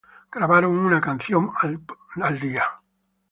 Grabaron una canción por día.